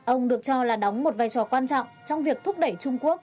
ông được cho là đóng một vai trò quan trọng trong việc thúc đẩy trung quốc